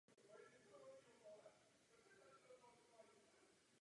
Okolo se pak rozkládala obora.